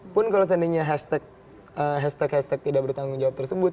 pun kalau seandainya hashtag hashtag tidak bertanggung jawab tersebut